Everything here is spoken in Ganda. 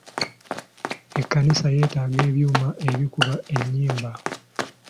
Ekkanisa yeetaaga ebyuma ebikuba ennyimba.